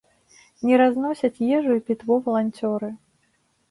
Не разносяць ежу і пітво валанцёры.